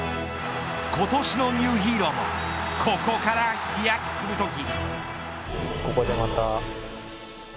今年のニューヒーローもここから飛躍するとき。